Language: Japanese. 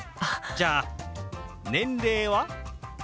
じゃあ年齢は？